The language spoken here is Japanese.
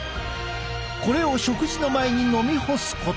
これを食事の前に飲み干すこと。